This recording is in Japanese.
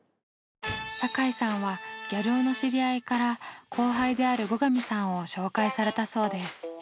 酒井さんはギャル男の知り合いから後輩である後上さんを紹介されたそうです。